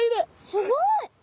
すごい！